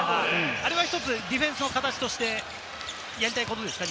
あれは１つディフェンスの形としてやりたいことですか？